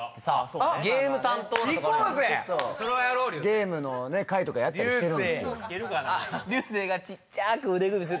ゲームのね回とかやったりしてるんですよ